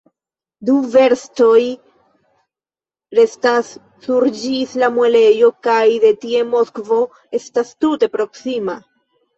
Du verstoj restas nur ĝis la muelejo, kaj de tie Moskvo estas tute proksima.